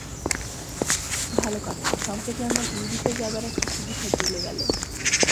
ভাল কথা, সম্প্রতি আমার ইউরোপে যাবার একটা সুবিধা চলে গেল।